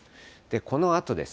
このあとです。